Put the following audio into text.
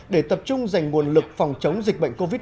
để tập trung dành nguồn lực phòng chống dịch bệnh covid một mươi chín